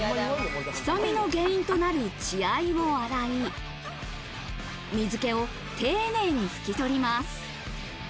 臭みの原因となる血合いを洗い、水気を丁寧に拭き取ります。